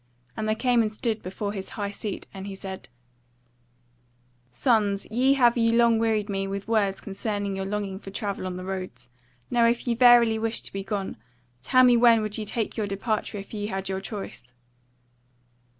And they came and stood before his high seat and he said: "Sons, ye have long wearied me with words concerning your longing for travel on the roads; now if ye verily wish to be gone, tell me when would ye take your departure if ye had your choice?"